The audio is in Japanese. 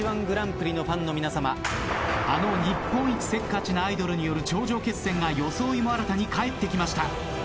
−１グランプリのファンの皆さまあの日本一せっかちなアイドルによる頂上決戦が装いも新たに帰ってきました。